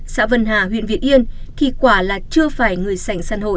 xã vân hà huyện việt yên khi quả là chưa phải người sành săn hội